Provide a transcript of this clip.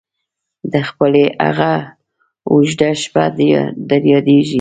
دڅيلې هغه او ژده شپه در ياديژي ?